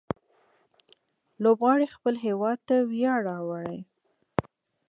لوبغاړي خپل هيواد ته ویاړ راوړي.